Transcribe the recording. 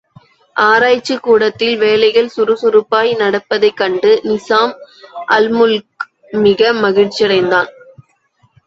ஆராய்ச்சிக் கூடத்தில் வேலைகள் சுறுசுறுப்பாய் நடப்பதைக் கண்டு நிசாம் அல்முல்க் மிக மகிழ்ச்சியடைந்தார்.